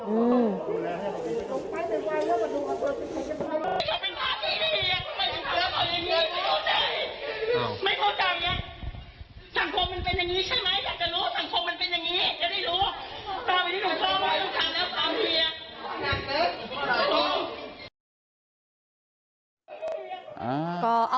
อืม